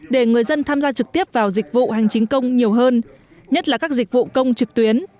để người dân tham gia trực tiếp vào dịch vụ hành chính công nhiều hơn nhất là các dịch vụ công trực tuyến